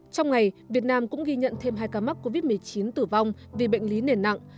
trong ngày việt nam cũng ghi nhận thêm hai ca mắc covid một mươi chín tử vong vì bệnh lý nền nặng